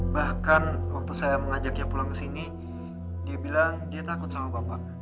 bahkan waktu saya mengajaknya pulang ke sini dia bilang dia takut sama bapak